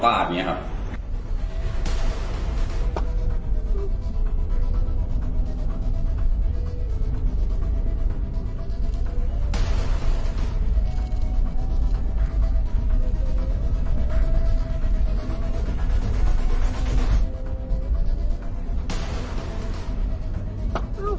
ตอนนี้จะเปลี่ยนอย่างนี้หรอว้าง